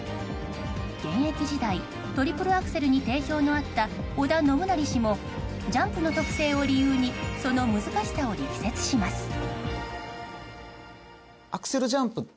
現役時代トリプルアクセルに定評のあった織田信成氏もジャンプの特性を理由にその難しさを力説します。